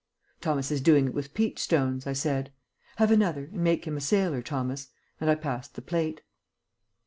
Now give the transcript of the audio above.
"Thomas is doing it with peach stones," I said. "Have another, and make him a sailor, Thomas," and I passed the plate.